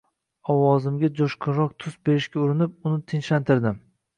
Ovozimga jo`shqinroq tus berishga urinib, uni tinchlantirdim